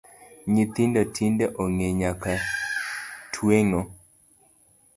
Nyithindo tinde ong’e nyaka tueng’o